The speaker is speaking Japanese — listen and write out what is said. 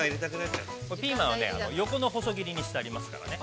ピーマンはね、横の細切りにしてありますからね。